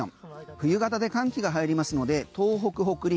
冬型で寒気が入りますので東北、北陸